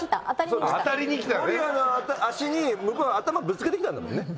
守屋の足に向こうが頭ぶつけてきたんだもんね。